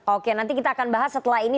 oke nanti kita akan bahas setelah ini